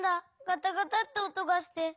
ガタガタっておとがして。